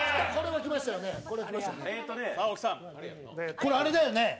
これあれだよね？